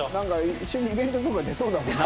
一緒にイベントとか出そうだもんな。